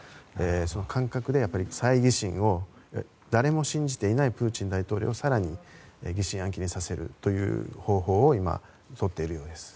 その感覚で猜疑心を、誰も信じていないプーチン大統領を更に疑心暗鬼にさせるという方法を今、とっているようです。